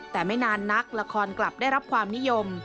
แต่ไม่นานนักละครกลับได้รับความนิยม